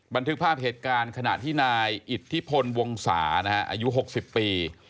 บันทึกภาพเหตุการณ์ขณะที่นายอิทธิพลวงศานะฮะอายุ๖๐ปี